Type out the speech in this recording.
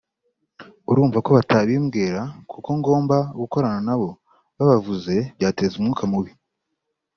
urumva ko batabimbwira kuko ngomba gukorana nabo babavuze byateza umwuka mubi